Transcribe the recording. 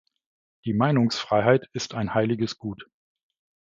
Die Meinungsfreiheit ist ein heiliges Gut.